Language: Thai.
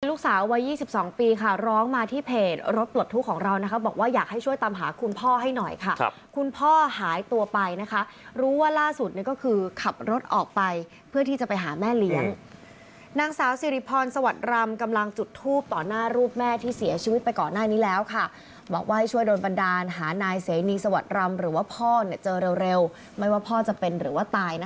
ลูกสาววัย๒๒ปีค่ะร้องมาที่เพจรถปลดทุกข์ของเรานะคะบอกว่าอยากให้ช่วยตามหาคุณพ่อให้หน่อยค่ะคุณพ่อหายตัวไปนะคะรู้ว่าล่าสุดเนี่ยก็คือขับรถออกไปเพื่อที่จะไปหาแม่เลี้ยงนางสาวสิริพรสวัสดิรำกำลังจุดทูปต่อหน้ารูปแม่ที่เสียชีวิตไปก่อนหน้านี้แล้วค่ะบอกว่าให้ช่วยโดนบันดาลหานายเสนีสวัสดิรำหรือว่าพ่อเนี่ยเจอเร็วไม่ว่าพ่อจะเป็นหรือว่าตายนะคะ